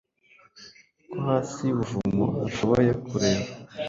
Ko hasi yubuvumo yashoboye kureba